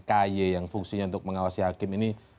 ky yang fungsinya untuk mengawasi hakim ini